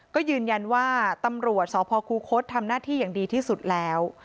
ก็ยืนยันว่าตำรวจสพคูคศทำหน้าที่อย่างดีที่สุดแล้ว